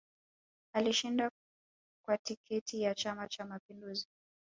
Alishinda kwa tiketi ya chama cha mapinduzi